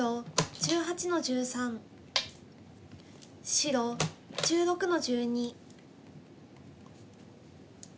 白１６の十二。